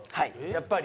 やっぱり。